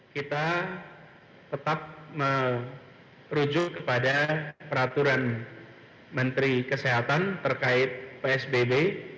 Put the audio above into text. kita tetap merujuk kepada peraturan menteri kesehatan terkait psbb